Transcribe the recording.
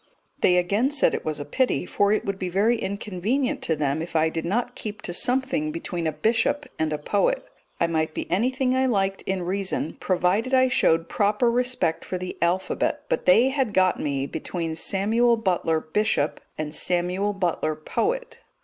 They again said it was a pity, for it would be very inconvenient to them if I did not keep to something between a bishop and a poet. I might be anything I liked in reason, provided I showed proper respect for the alphabet; but they had got me between "Samuel Butler, bishop," and "Samuel Butler, poet."